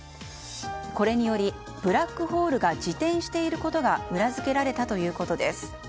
これによりブラックホールが自転していることが裏付けられたということです。